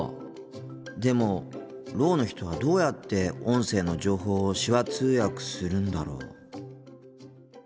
でもろうの人はどうやって音声の情報を手話通訳するんだろう。